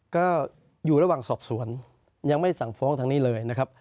ก็อยู่ระหว่างสอบสวนยังไม่สั่งฟ้องทางนี้เลยนะครับ